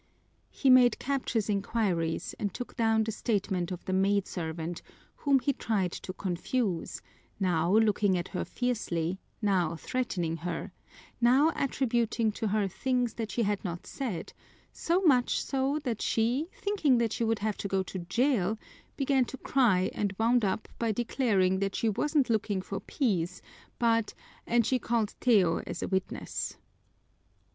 He made captious inquiries, and took down the statement of the maidservant, whom he tried to confuse, now looking at her fiercely, now threatening her, now attributing to her things that she had not said, so much so that she, thinking that she would have to go to jail, began to cry and wound up by declaring that she wasn't looking for peas but and she called Teo as a witness.